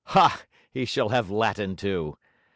Ha, he shall have Latin too!'